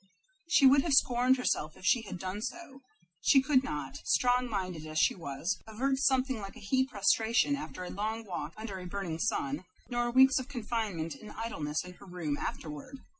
She would have scorned herself if she had done so. But she could not, strong minded as she was, avert something like a heat prostration after a long walk under a burning sun, nor weeks of confinement and idleness in her room afterward.